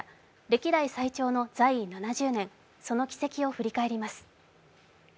歴代最長の在位７０年、その軌跡を振り返ります。